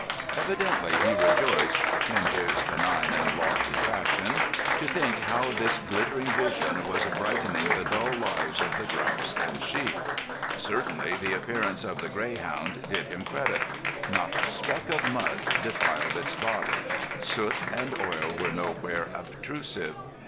Evidently he rejoiced, in his benign and lofty fashion, to think how this glittering vision was brightening the dull lives of the grouse and sheep. Certainly the appearance of The Greyhound did him credit. Not a speck of mud defiled its body; soot and oil were nowhere obtrusive.